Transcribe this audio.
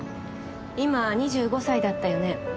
今２５歳だったよね？